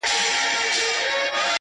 عزراییل به یې پر کور باندي مېلمه سي،